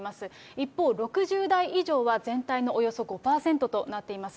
一方、６０代以上は全体のおよそ５％となっています。